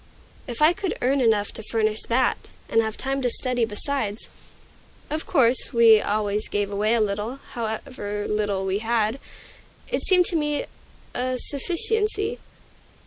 If I could earn enough to furnish that, and have time to study besides, of course we always gave away a little, however little we had, it seemed to me a sufficiency.